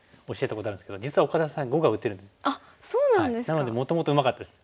なのでもともとうまかったです。